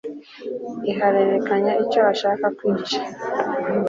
iharerekera icyo ishaka kwica